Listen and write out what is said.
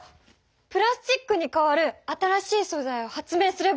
プラスチックにかわる新しいそざいを発明すれば！